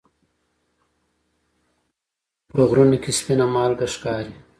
په غرونو کې سپینه مالګه ښکاري.